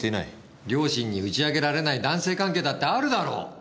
両親に打ち明けられない男性関係だってあるだろう。